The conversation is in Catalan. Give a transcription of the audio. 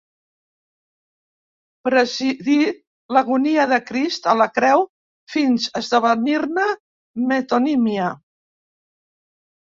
Presidí l'agonia de Crist a la creu fins esdevenir-ne metonímia.